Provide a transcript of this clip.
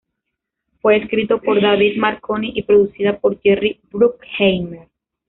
Fue escrito por David Marconi y producida por Jerry Bruckheimer.